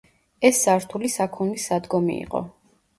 ეს სართული საქონლის სადგომი იყო.